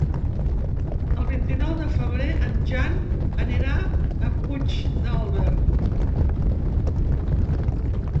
El vint-i-nou de febrer en Jan anirà a Puigdàlber.